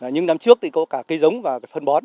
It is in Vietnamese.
nhưng năm trước có cả cây giống và phân bón